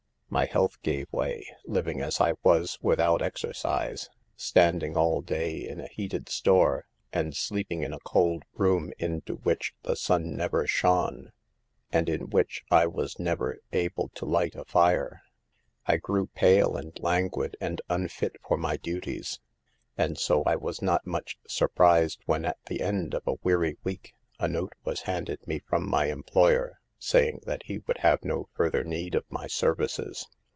My health gave way, living as I was without exercise, standing all day in a heated store, and sleeping in a cold room into 148 SAVE THE GIRLS. which the sun never shone, and in which I was never able to light a fire. I grew pale and languid and unfit for my duties. And so I was not much surprised when, at the end of a weary week, a note was handed me from my employer, saying that he would have no fur ther need of my services.